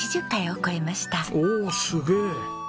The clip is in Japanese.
おおっすげえ。